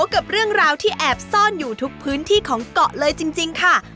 กับเรื่องราวที่แอบซ่อนอยู่ทุกพื้นที่ของเกาะเลยจริงค่ะ